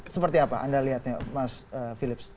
seperti apa anda lihatnya mas philips